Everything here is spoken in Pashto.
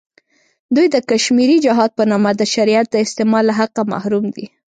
دوی د کشمیري جهاد په نامه د شریعت د استعمال له حقه محروم دی.